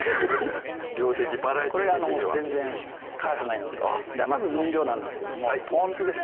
量的バラエティー的にはこれあの全然辛くないのでまず分量なんですけどもぽん酢ですね